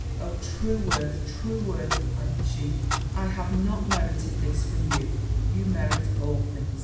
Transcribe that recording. Oh, Trueworth! Trueworth!' added she, 'I have not merited this from you.' 'You merit all things!'